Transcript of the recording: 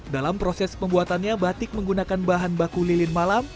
dalam proses pembuatannya batik menggunakan bahan baku lilin malam